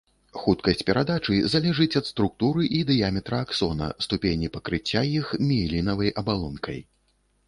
Хуткасць перадачы залежыць ад структуры і дыяметра аксона, ступені пакрыцця іх міэлінавай абалонкай.